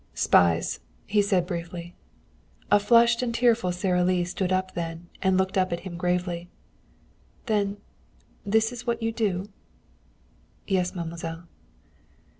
"Spies," he said briefly. A flushed and tearful Sara Lee stood up then and looked up at him gravely. "Then that is what you do?" "Yes, mademoiselle."